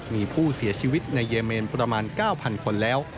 มีผู้เสียชีวิตในเยเมนประมาณ๙๐๐คนแล้ว